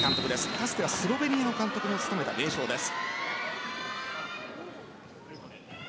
かつてはスロベニアの監督を務めた名将です。